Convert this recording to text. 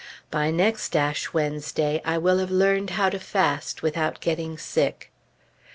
By next Ash Wednesday, I will have learned how to fast without getting sick!